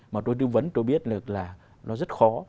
mà tôi tư vấn tôi biết được là nó rất khó